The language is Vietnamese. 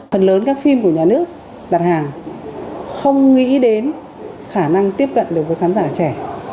phần lớn các phim của nhà nước đặt hàng không nghĩ đến khả năng tiếp cận được với khán giả trẻ